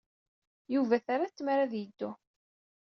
Yuba terra-t tmara ad yeddu.